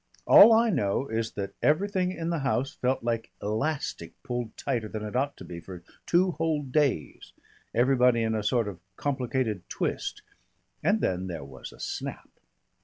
All I know is that everything in the house felt like elastic pulled tighter than it ought to be for two whole days everybody in a sort of complicated twist and then there was a snap.